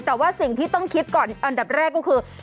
แต่ว่าสิ่งที่ต้องคิดก่อนอันดับแรกก็คือ